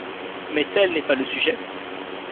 Mais tel n’est pas le sujet.